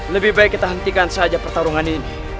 lebih baik kita hentikan saja pertarungan ini